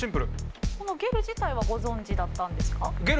このゲル自体はご存じだったんですか？